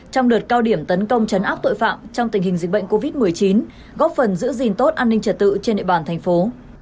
trong đợt cao điểm tấn công chấn áp tội phạm trong tình hình dịch bệnh covid một mươi chín góp phần giữ gìn tốt an ninh trật tự trên địa bàn thành phố